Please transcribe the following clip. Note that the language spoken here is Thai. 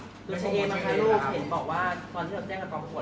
รู้ชัยเอ้มนะคะลูกเห็นบอกว่าตอนที่เราแจ้งกับกองประบวน